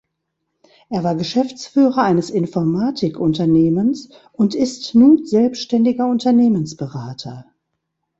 Er war Geschäftsführer eines Informatik-Unternehmens und ist nun selbständiger Unternehmensberater.